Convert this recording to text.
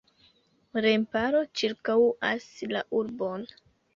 Remparo ĉirkaŭas la urbon.